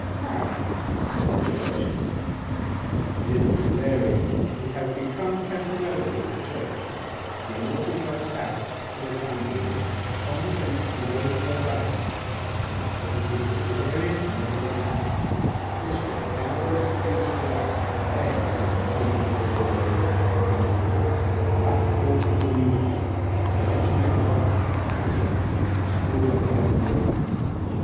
'How? Is this a church?' 'It is the Caesareum. It has become temporarily a church. The immortal gods have, for the time being, condescended to waive their rights; but it is the Caesareum, nevertheless. This way; down this street to the right. There,' said he, pointing to a doorway in the side of the Museum, 'is the last haunt of the Muses the lecture room of Hypatia, the school of my unworthiness.